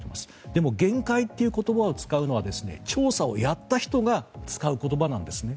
でも、限界という言葉を使うのは調査をやった人が使う言葉なんですね。